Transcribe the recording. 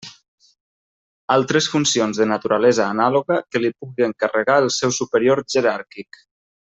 Altres funcions de naturalesa anàloga que li pugui encarregar el seu superior jeràrquic.